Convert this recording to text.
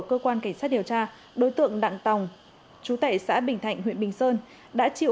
cơ quan cảnh sát điều tra đối tượng đặng tòng chú tệ xã bình thạnh huyện bình sơn đã triệu